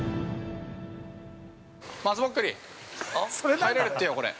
◆入れるってよ、これ。